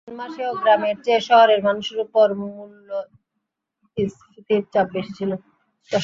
June মাসেও গ্রামের চেয়ে শহরের মানুষের ওপর মূল্যস্ফীতির চাপ বেশি ছিল।